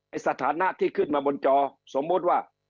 สถานะที่ขึ้นมาบนจอสมมุติว่า